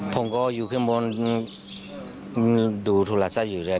ผมก็อยู่ขึ้นบนดูทุกละทรัพย์อยู่แล้ว